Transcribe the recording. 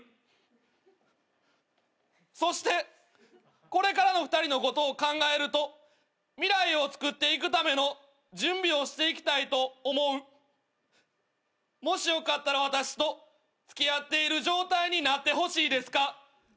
「そしてこれからの２人のことを考えると未来をつくっていくための準備をしていきたいと思う」「もしよかったら私と付き合っている状態になってほしいですか？」